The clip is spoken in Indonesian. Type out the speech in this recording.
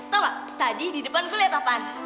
tau gak tadi di depan gue liat apaan